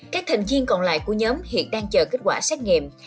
các thành viên còn lại của nhóm hiện đang chờ kết quả xét nghiệm